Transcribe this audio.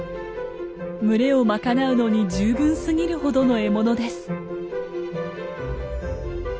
群れを賄うのに十分すぎるほどの獲物です。